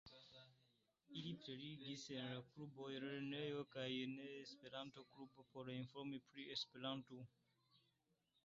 Ili prelegis en kluboj, lernejoj kaj en ne esperanto-kluboj por informi pri esperanto.